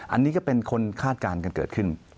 อันนี้ก็เป็นคนคาดการณ์กันเกิดขึ้น